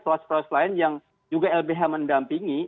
soal soal lain yang juga lbh mendampingi